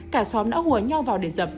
cả xóm đã hùa nhau vào để giật